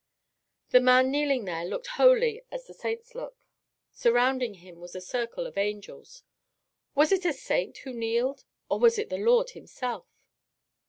The man kneeling there looked holy as the saints look. Surrounding him was a circle of angels. Was it a saint who kneeled, or was it the Lord Himself?